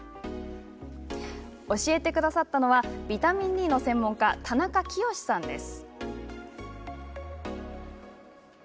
教えてくださったのはビタミンＤの専門家田中清さんです。